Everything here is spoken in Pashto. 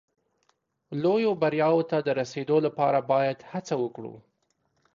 لویو بریاوو ته د رسېدو لپاره باید هڅه وکړو.